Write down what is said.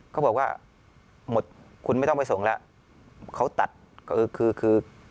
เขาบอกว่าหมดคุณไม่ต้องไปส่งแล้วเขาตัดก็คือคือ